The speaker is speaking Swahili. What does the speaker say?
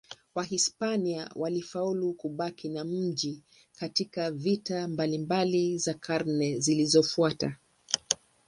Wahispania walifaulu kubaki na mji katika vita mbalimbali za karne zilizofuata.